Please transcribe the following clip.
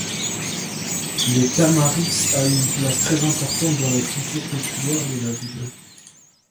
Le tamarix a une place très importante dans la culture populaire de la ville.